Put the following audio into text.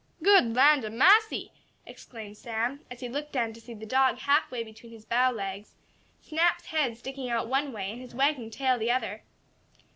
"Good land ob massy!" exclaimed Sam, as he looked down to see the dog half way between his bow legs, Snap's head sticking out one way, and his wagging tail the other.